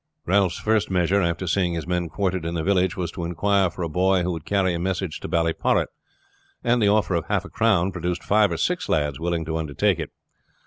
Ralph's first measure after seeing his men quartered in the village was to inquire for a boy who would carry a message to Ballyporrit, and the offer of half a crown produced four or five lads willing to undertake it.